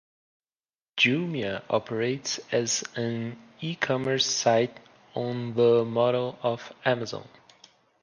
Jumia operates as an e-commerce site on the model of Amazon